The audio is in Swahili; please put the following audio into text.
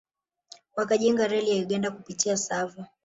Wakajenga reli ya Uganda kupitia Tsavo